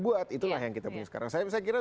buat itulah yang kita punya sekarang saya kira